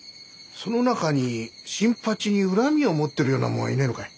その中に新八に恨みを持ってるような者はいねえのかい？